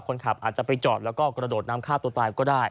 คนขับอาจจะไปจอดแล้วก็กระโดดน้ำฆ่าตัวตายก็ได้